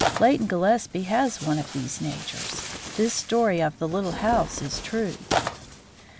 Leighton Gillespie has one of these natures. This story of the little house is true."